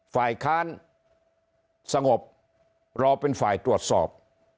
ฝ่ายค้านสงบรอเป็นฝ่ายตรวจสอบ